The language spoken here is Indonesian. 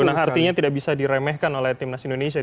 nah artinya tidak bisa diremehkan oleh tim nasi indonesia